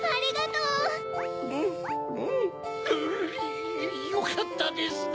うぅよかったですな。